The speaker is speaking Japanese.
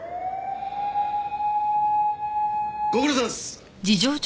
ご苦労さまです！